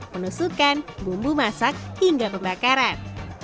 penusukan bumbu masak hingga pembakaran